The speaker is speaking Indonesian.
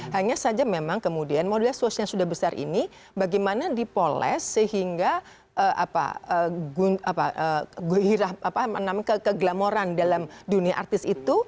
hanya saja memang kemudian modal sosial yang sudah besar ini bagaimana dipoles sehingga keglamoran dalam dunia artis itu